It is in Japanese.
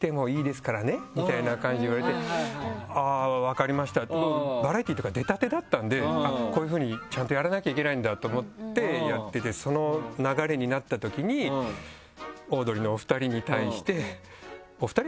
みたいな感じで言われて「あぁ分かりました」。バラエティーとか出たてだったのでこういうふうにちゃんとやらなきゃいけないんだと思ってやっててその流れになったときにオードリーのお二人に対して。